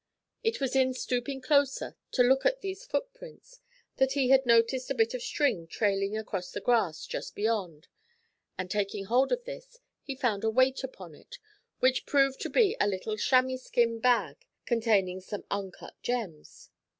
It was in stooping closer, to look at these footprints, that he had noticed a bit of string trailing across the grass just beyond; and taking hold of this, he found a weight upon it, which proved to be a little chamois skin bag containing some uncut gems.